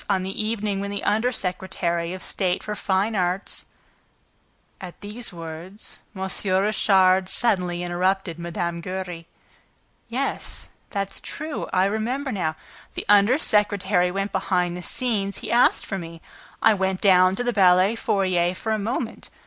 on the evening when the under secretary of state for fine arts ..." At these words, M. Richard suddenly interrupted Mme. Giry: "Yes, that's true, I remember now! The under secretary went behind the scenes. He asked for me. I went down to the ballet foyer for a moment.